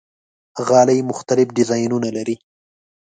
غالۍ مختلف ډیزاینونه لري.